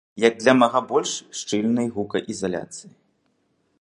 Для як мага больш шчыльнай гукаізаляцыі.